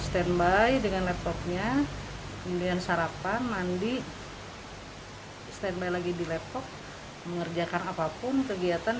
standby dengan laptopnya kemudian sarapan mandi standby lagi di laptop mengerjakan apapun kegiatan